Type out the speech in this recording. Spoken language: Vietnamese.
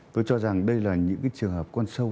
tôi cho rằng đây là những trường hợp quan sâu